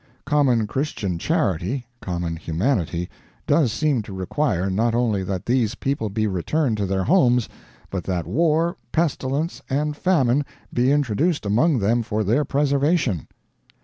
Common Christian charity, common humanity, does seem to require, not only that these people be returned to their homes, but that war, pestilence, and famine be introduced among them for their preservation.